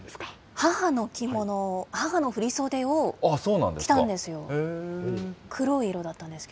母の着物を、母の振り袖を着たんですよ。